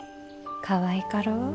かわいかろう。